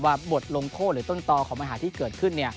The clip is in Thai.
บทลงโทษหรือต้นตอของปัญหาที่เกิดขึ้น